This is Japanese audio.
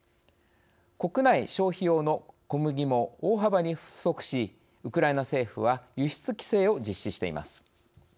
国内消費用の小麦も大幅に不足しウクライナ政府は輸出規制を実施しています。